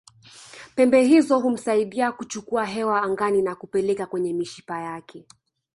Pembe hizo humsaidia kuchukua hewa angani na kupeleka kwenye mishipa yake